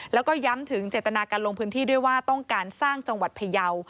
แล้วก็ย้ำถึงเจตนาการลงพื้นที่ด้วยว่าต้องการสร้างจังหวัดพยาว